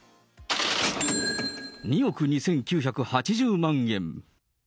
２億２９８０万円。